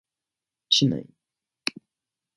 稚内